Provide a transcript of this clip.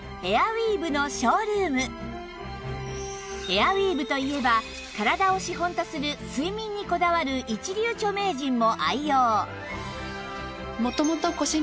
エアウィーヴといえば体を資本とする睡眠にこだわる一流著名人も愛用